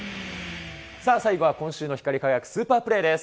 さあ、最後は今週の光り輝くスーパープレーです。